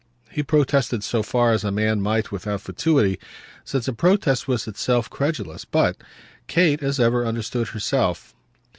He protested so far as a man might without fatuity, since a protest was itself credulous; but Kate, as ever, understood herself.